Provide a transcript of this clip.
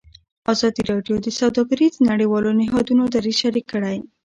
ازادي راډیو د سوداګري د نړیوالو نهادونو دریځ شریک کړی.